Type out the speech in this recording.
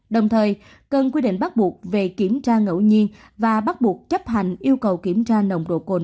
đồng thời cần quy định bắt buộc về kiểm tra ngẫu nhiên và bắt buộc chấp hành yêu cầu kiểm tra nồng độ cồn